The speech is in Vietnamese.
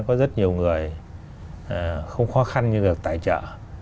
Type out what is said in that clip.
có rất nhiều người không khó khăn nhưng được tài trợ